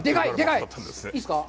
いいですか？